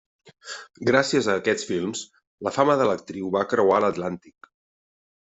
Gràcies a aquests films, la fama de l'actriu va creuar l'Atlàntic.